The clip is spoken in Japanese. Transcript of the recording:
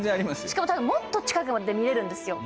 しかもたぶんもっと近くまで見れるんですよ